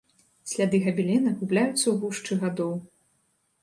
Сляды габелена губляюцца ў гушчы гадоў.